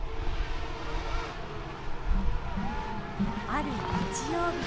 ある日曜日。